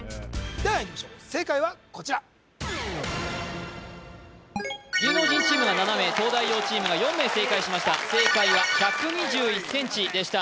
ではいきましょう正解はこちら芸能人チームが７名東大王チームが４名正解しました正解は１２１ｃｍでした